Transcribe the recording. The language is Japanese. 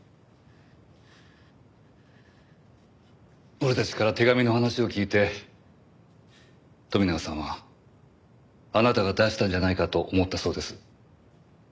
俺たちから手紙の話を聞いて富永さんはあなたが出したんじゃないかと思ったそうです。